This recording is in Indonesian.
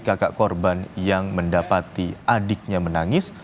kakak korban yang mendapati adiknya menangis